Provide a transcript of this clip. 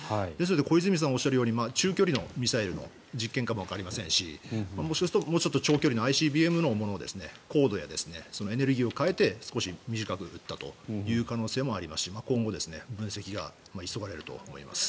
小泉さんがおっしゃるように中距離のミサイルの実験かもわかりませんが長距離のＩＣＢＭのものや高度やエネルギーを変えて少し短く撃ったという可能性もありますし今後、分析が急がれると思います。